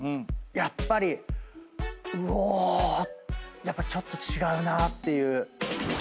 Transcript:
やっぱりうおやっぱちょっと違うなっていう。